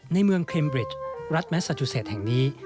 ในเมืองเคมบริดรัฐแมสซาจูเศษแห่งนี้